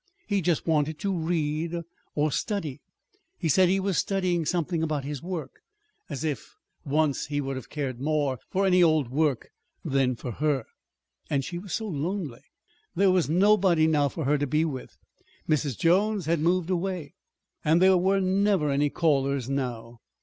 He just wanted to read or study. He said he was studying; something about his work. As if once he would have cared more for any old work than for her! And she was so lonely! There was nobody now for her to be with. Mrs. Jones had moved away, and there were never any callers now.